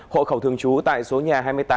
hộ khẩu thường trú tại số nhà hai mươi tám